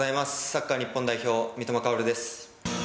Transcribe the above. サッカー日本代表、三笘薫です。